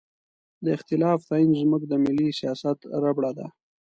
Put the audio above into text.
د اختلاف تعین زموږ د ملي سیاست ربړه ده.